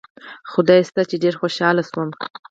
خدای شته چې ډېر خوشاله شوم.